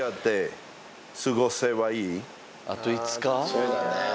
そうだねぇ。